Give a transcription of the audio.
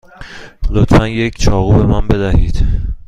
لطفا یک چاقو به من بدهید.